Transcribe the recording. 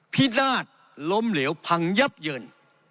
พิราชล้มเหลวพังยับเยิน